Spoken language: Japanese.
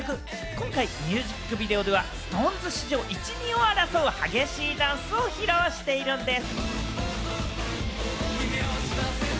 今回、ミュージックビデオではＳｉｘＴＯＮＥＳ史上、１、２を争う激しいダンスを披露しているんでぃす。